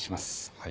はい。